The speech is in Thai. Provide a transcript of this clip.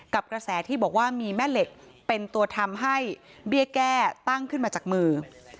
กระแสที่บอกว่ามีแม่เหล็กเป็นตัวทำให้เบี้ยแก้ตั้งขึ้นมาจากมือ